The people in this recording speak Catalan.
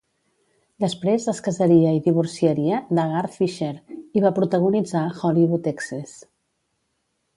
Després es casaria i divorciaria de Garth Fisher, i va protagonitzar "Hollywood Exes".